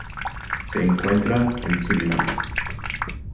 Se encuentra en Surinam.